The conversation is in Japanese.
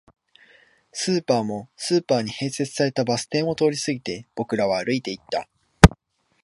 スーパーも、スーパーに併設されたバス停も通り過ぎて、僕らは歩いていった